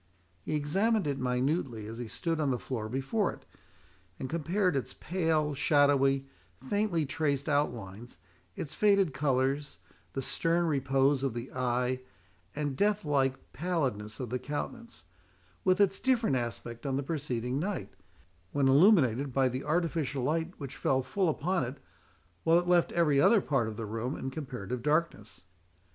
He examined it minutely as he stood on the floor before it, and compared its pale, shadowy, faintly traced outlines, its faded colours, the stern repose of the eye, and death like pallidness of the countenance, with its different aspect on the preceding night, when illuminated by the artificial light which fell full upon it, while it left every other part of the room in comparative darkness.